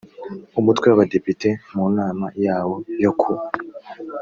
umutwe w abadepite mu nama yawo yo ku